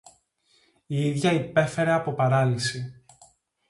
Η ίδια υπέφερε από παράλυση